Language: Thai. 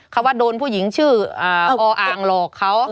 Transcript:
เขาว่าโดนผู้หญิงชื่อออ่างหลอกเขา